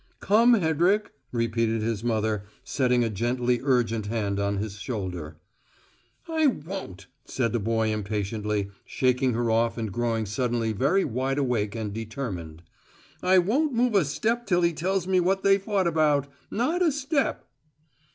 "Come, Hedrick," repeated his mother, setting a gently urgent hand on his shoulder. "I won't," said the boy impatiently, shaking her off and growing suddenly very wideawake and determined. "I won't move a step till he tells me what they fought about. Not a step!"